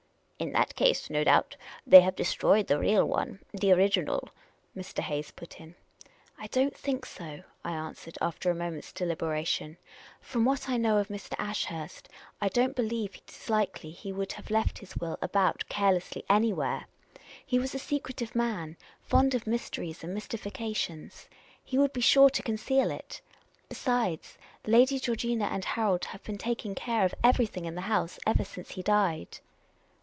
" In that case, no doubt, they have destroyed the real one, the original," Mr. Hayes put in. " I don't think so," I answered, after a moment's delibera tion. " From what I know of Mr. Ashurst, I don't believe it is likely he would havx left his will about carelessly any where. He was a secretive man, fond of mysteries and mystifications. He would be sure to conceal it. Besides, Lady Georgina and Harold have been taking care of every thing in the house ever since he died."